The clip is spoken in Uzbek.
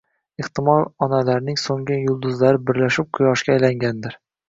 Ehtimol, onalarning so‘ngan yulduzlari birlashib quyoshga aylangandir.